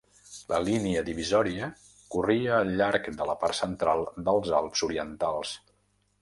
La línia divisòria corria al llarg de la part central dels Alps orientals.